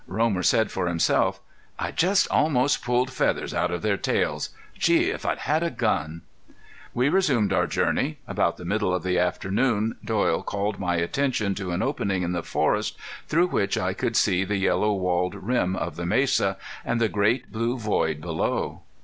Romer said for himself: "I just almost pulled feathers out of their tails. Gee! if I'd had a gun!" We resumed our journey. About the middle of the afternoon Doyle called my attention to an opening in the forest through which I could see the yellow walled rim of the mesa, and the great blue void below.